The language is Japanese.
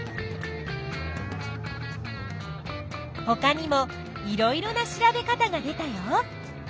ほかにもいろいろな調べ方が出たよ。